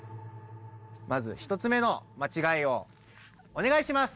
まず１つ目のまちがいをおねがいします。